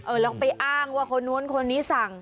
เออแล้วก็ไปอ้างว่าคนน้วนคนนี้สั่ง